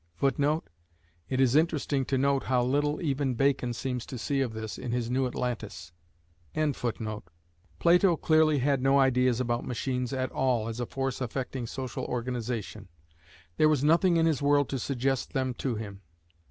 [Footnote: It is interesting to note how little even Bacon seems to see of this, in his New Atlantis.] Plato clearly had no ideas about machines at all as a force affecting social organisation. There was nothing in his world to suggest them to him.